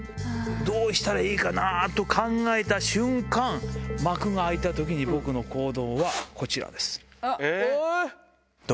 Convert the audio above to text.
どうしたらいいかなと考えた瞬間、幕が開いたときに僕の行動はこちらです。